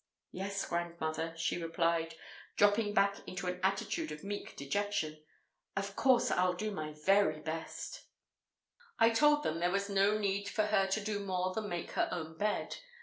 "Yes, grandmother," she replied, dropping back into an attitude of meek dejection. "Of course I'll do my very best." I told them there was no need for her to do more than make her own bed.